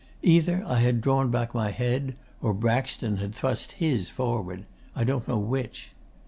Either I had drawn back my head, or Braxton had thrust his forward; I don't know which.